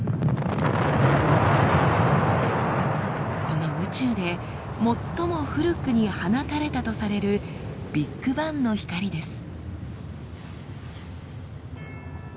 この宇宙で最も古くに放たれたとされるビッグバンの光です。